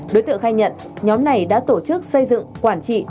đối tượng khai nhận nhóm này đã tổ chức xây dựng quản trị